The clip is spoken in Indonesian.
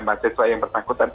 kepada mahasiswa yang bertakutan